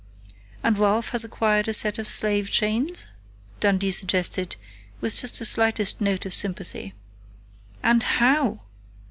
"And Ralph has acquired a set of slave chains?" Dundee suggested, with just the slightest note of sympathy. "_And how!